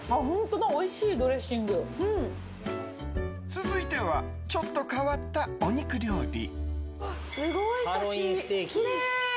続いてはちょっと変わったお肉料理。